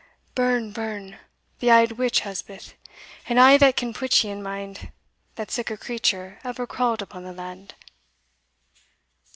burn! burn! the auld witch Elspeth, and a' that can put ye in mind that sic a creature ever crawled upon the land!"